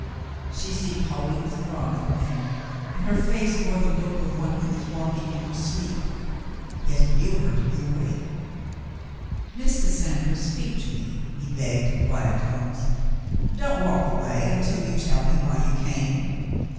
She seemed wholly withdrawn from him, and her face bore the look of one w^ho was walking in her sleep, yet he knew her to be awake. "Miss Cassandra, speak to me," he begged, in quiet tones. "Don't walk away until you tell me why you came."